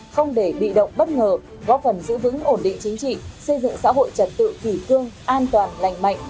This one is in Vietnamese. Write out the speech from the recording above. không để bị động bất ngờ góp phần giữ vững ổn định chính trị xây dựng xã hội trật tự kỳ cương an toàn lành mạnh